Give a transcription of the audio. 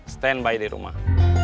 stand by di rumah